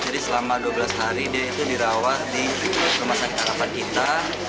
jadi selama dua belas hari dia itu dirawat di rumah sakit harapan kita